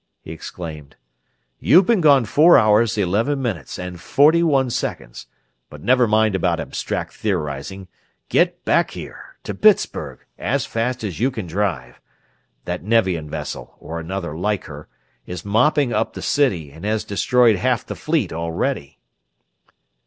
he exclaimed. "You've been gone four hours, eleven minutes, and forty one seconds, but never mind about abstract theorizing. Get back here, to Pittsburgh, as fast as you can drive. That Nevian vessel or another like her is mopping up the city, and has destroyed half the Fleet already!"